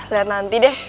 lihat nanti deh